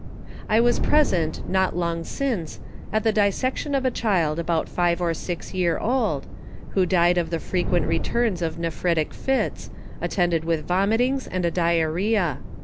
I was present, not long since, at the Dissection of a Child about 5 or 6 Year old, who dyed of the frequent returns of Nephritic Fits, attended with Vomitings and a Diarrhæa.